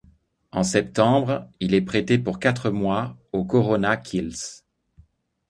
En septembre, il est prêté pour quatre mois au Korona Kielce.